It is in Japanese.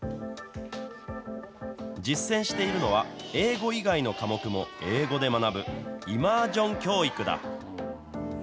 実践しているのは、英語以外の科目も英語で学ぶ、イマージョン教育だ。